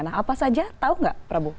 nah apa saja tahu nggak prabu